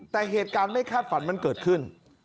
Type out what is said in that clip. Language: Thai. แต่เหตุการณ์ไม่คาดฝันมันเกิดขึ้น